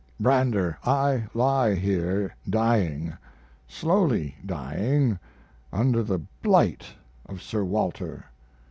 Brander, I lie here dying; slowly dying, under the blight of Sir Walter.